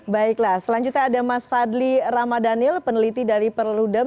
baiklah selanjutnya ada mas fadli ramadhanil peneliti dari perludem